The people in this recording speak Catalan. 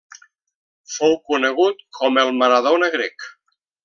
Fou conegut com el Maradona grec.